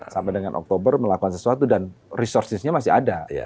sampai dengan oktober melakukan sesuatu dan resourcesnya masih ada